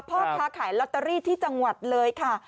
พ่อค้าขายลอตเตอรี่ที่จังหวัดเลยค่ะ